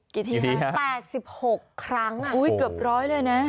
๘๖ครั้งอุ้ยเกือบร้อยเลยนะ